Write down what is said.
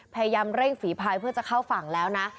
พยายามเร่งฝีพายเพื่อจะเข้าฝั่งแล้วนะ